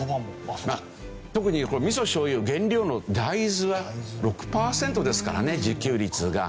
まあ特にみそしょう油の原料の大豆は６パーセントですからね自給率が。